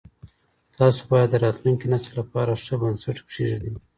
تاسو باید د راتلونکي نسل لپاره ښه بنسټ کېږدئ.